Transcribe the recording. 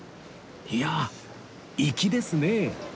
いや粋ですね！